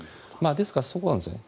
ですからそこなんですよね。